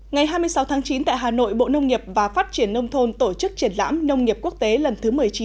ngày hai mươi sáu tháng chín tại hà nội bộ nông nghiệp và phát triển nông thôn tổ chức triển lãm nông nghiệp quốc tế lần thứ một mươi chín